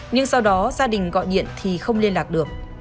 nhưng sau đó gia đình gọi điện thì không liên lạc được